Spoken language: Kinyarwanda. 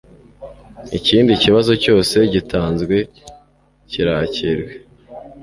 ikindi kibazo cyose gitanzwe kirakirwa